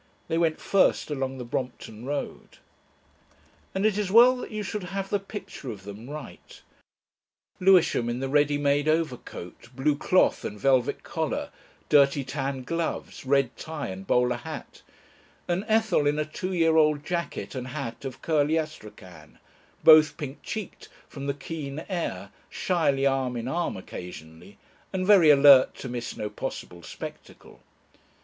They went first along the Brompton Road.... And it is well that you should have the picture of them right: Lewisham in the ready made overcoat, blue cloth and velvet collar, dirty tan gloves, red tie, and bowler hat; and Ethel in a two year old jacket and hat of curly Astrachan; both pink cheeked from the keen air, shyly arm in arm occasionally, and very alert to miss no possible spectacle.